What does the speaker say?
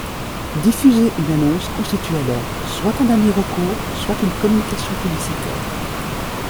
Diffuser une annonce constitue alors, soit un dernier recours, soit une communication publicitaire.